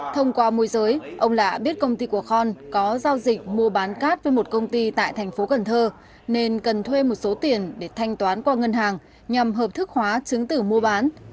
thông qua môi giới ông lạ biết công ty của khon có giao dịch mua bán cát với một công ty tại thành phố cần thơ nên cần thuê một số tiền để thanh toán qua ngân hàng nhằm hợp thức hóa chứng tử mua bán